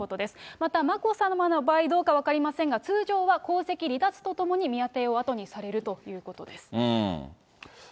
また、眞子さまの場合、どうか分かりませんが、通常は皇籍離脱とともに宮邸を後にされるということです。